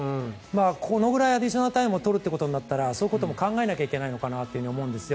このぐらいアディショナルタイムを取るということになったらそういうことも考えないといけないのかなと思うんですよ。